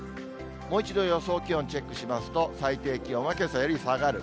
もう一度、予想気温チェックしますと、最低気温はけさより下がる。